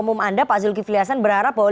umum anda pak zulkifli hasan berharap bahwa